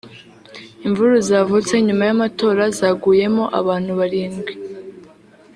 Imvururu zavutse nyuma y’amatora zaguyemo abantu barindwi